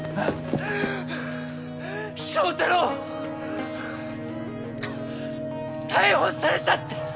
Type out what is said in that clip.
祥太郎逮捕されたって！